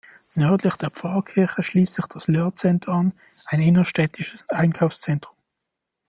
Nördlich der Pfarrkirche schließt sich das Löhr-Center an, ein innerstädtisches Einkaufszentrum.